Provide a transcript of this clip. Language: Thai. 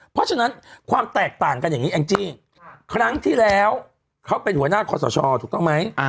เพราะฉะนั้นความแตกต่างกันอย่างนี้แองจี้ครั้งที่แล้วเขาเป็นหัวหน้าคอสชถูกต้องไหม